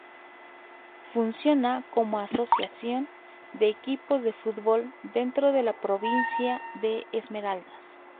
Funciona como asociación de equipos de fútbol dentro de la Provincia de Esmeraldas.